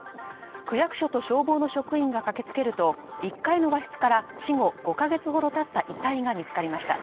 区役所と消防の職員が駆けつけると１階の和室から死後５か月ほど経った遺体が見つかりました。